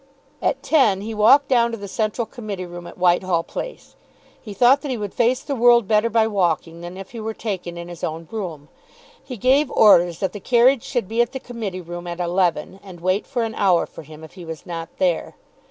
At ten he walked down to the central committee room at Whitehall Place. He thought that he would face the world better by walking than if he were taken in his own brougham. He gave orders that the carriage should be at the committee room at eleven, and wait an hour for him if he was not there.